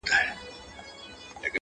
ما در کړي د اوربشو انعامونه؛